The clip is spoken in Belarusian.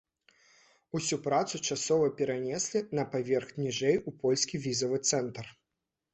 Усю працу часова перанеслі на паверх ніжэй у польскі візавы цэнтр.